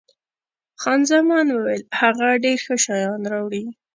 خان زمان وویل، هغه ډېر ښه شیان راوړي.